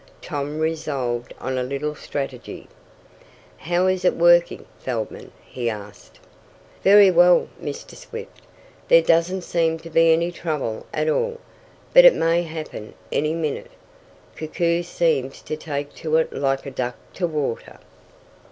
Tom resolved on a little strategy. "How is it working, Feldman?" he asked. "Very well, Mr. Swift. There doesn't seem to be any trouble at all, but it may happen any minute. Koku seems to take to it like a duck to water."